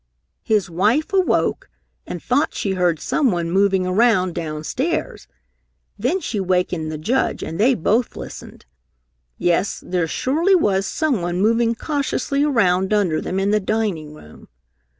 "His wife awoke and thought she heard someone moving around downstairs. Then she wakened the Judge and they both listened. Yes, there surely was someone moving cautiously around under them, in the dining room!